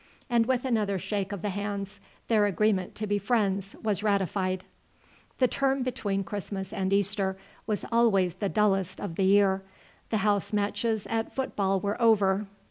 And with another shake of the hands their agreement to be friends was ratified. The term between Christmas and Easter was always the dullest of the year. The house matches at football were over.